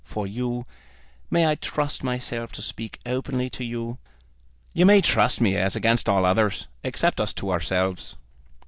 For you, may I trust myself to speak openly to you?" "You may trust me as against all others, except us two ourselves."